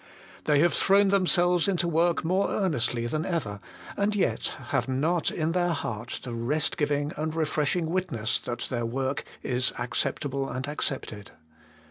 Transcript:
They have thrown themselves into work more earnestly than ever, and yet have not in their heart the rest giving and refreshing witness that their work is acceptable and accepted.